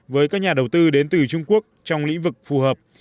với các nhà đầu tư đến từ trung quốc trong lĩnh vực phù hợp